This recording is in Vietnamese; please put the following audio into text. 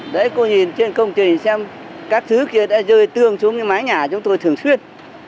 đấy cô nhìn trên công trình xem các thứ kia đã rơi tương xuống cái mái nhà chúng tôi thường xuyên